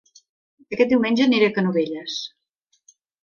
Aquest diumenge aniré a Canovelles